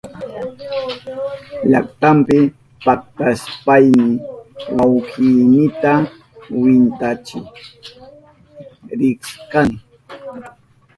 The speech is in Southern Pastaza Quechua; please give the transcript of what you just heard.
Llaktanpi paktashpayni wawkiynita kwintachik rishkani.